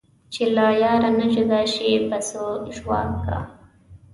چې له یاره نه جدا شي پسو ژواک کا